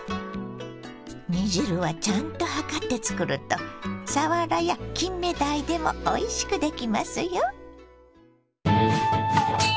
煮汁はちゃんと量って作るとさわらやきんめだいでもおいしくできますよ。